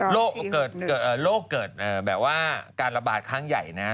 โรคเกิดแบบว่าการระบาดครั้งใหญ่นะ